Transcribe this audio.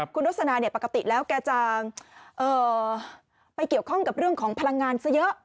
คุณรสนาปกติแล้วแกจะไปเกี่ยวข้องกับเรื่องของพลังงานซะเยอะ